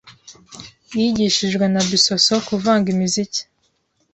yigishijwe na Bisosso kuvanga imiziki.